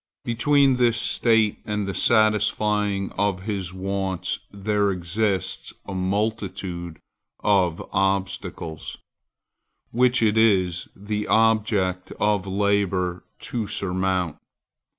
Between this state and the satisfying of his wants, there exists a multitude of obstacles which it is the object of labor to surmount.